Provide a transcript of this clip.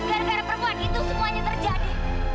karena perempuan itu semuanya terjadi